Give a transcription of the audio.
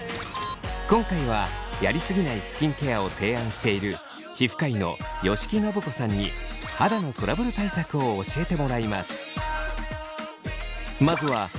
今回はやりすぎないスキンケアを提案している皮膚科医の吉木伸子さんに肌のトラブル対策を教えてもらいます。